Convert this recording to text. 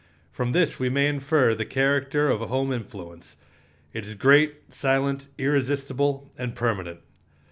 From this we may infer the character of home influence. It is great, silent, irresistible, and permanent.